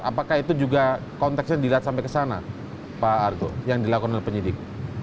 apakah itu juga konteksnya dilihat sampai ke sana pak argo yang dilakukan oleh penyidik